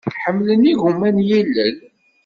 Ḥemmlen igumma n yilel.